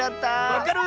わかる！